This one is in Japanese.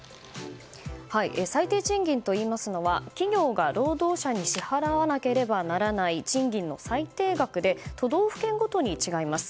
最低賃金といいますのは企業が労働者に支払わなければならない賃金の最低額で都道府県ごとに違います。